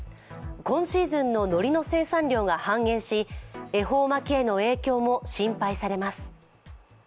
今シーズンののりの生産量が半減し恵方巻きへの影響も心配されます。